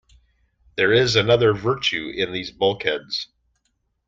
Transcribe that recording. There is another virtue in these bulkheads.